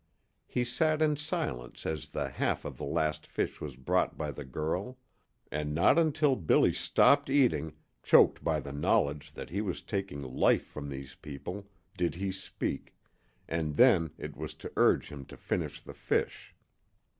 He sat in silence as the half of the last fish was brought by the girl; and not until Billy stopped eating, choked by the knowledge that he was taking life from these people, did he speak, and then it was to urge him to finish the fish.